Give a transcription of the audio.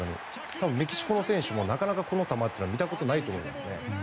多分、メキシコの選手もなかなかこの球は見たことがないと思いますね。